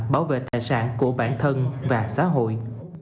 bảo vệ tài sản của bản thân và xã hội